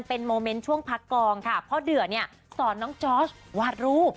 เป็นโมเมนต์ช่วงพักกองค่ะพ่อเดือเนี่ยสอนน้องจอร์สวาดรูป